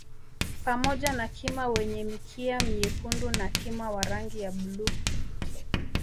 Pamoja na Kima wenye mikia myekundu na kima wa rangi ya bluu